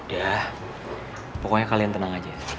ya pokoknya kalian tenang aja